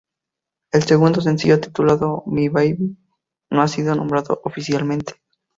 El segundo sencillo titulado My Baby, no ha sido nombrado oficialmente.